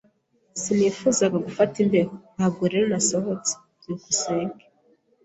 Sinifuzaga gufata imbeho, ntabwo rero nasohotse. byukusenge